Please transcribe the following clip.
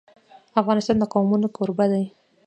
افغانستان د قومونه کوربه دی.